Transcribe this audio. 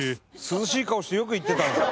涼しい顔してよくいってたな。